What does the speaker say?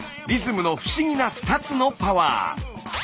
リズムの不思議な２つのパワー。